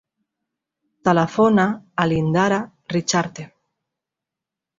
Telefona a l'Indara Richarte.